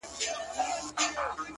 پوره اته دانې سمعان ويلي كړل